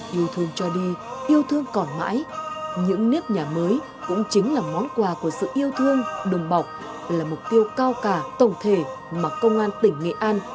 yêu thương cho đi yêu thương còn mãi những nếp nhà mới cũng chính là món quà của sự yêu thương đồng bọc là mục tiêu cao cả tổng thể mà công an tỉnh nghệ an